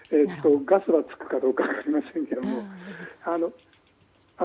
ガスはつくかどうか分かりませんけども。